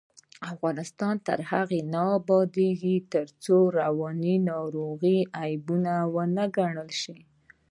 افغانستان تر هغو نه ابادیږي، ترڅو رواني ناروغۍ عیب ونه ګڼل شي.